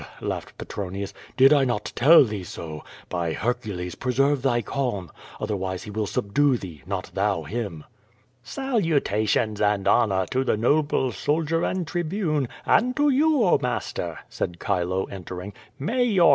laughed Petronius. "Did I not tell thee so? By Hercules, preserve thy calm, otherwise he will subdue thee; not thou him." "Salutations and honor to the noble soldier and Tribune, and to you, oh, master," said Chilo, entering, '^ay your QVO VADI8.